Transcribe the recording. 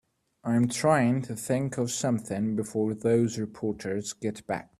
I'm trying to think of something before those reporters get back.